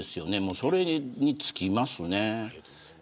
それに尽きますね。